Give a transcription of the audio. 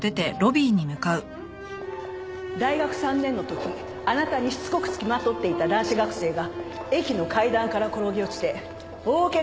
大学３年の時あなたにしつこくつきまとっていた男子学生が駅の階段から転げ落ちて大怪我をしましたね。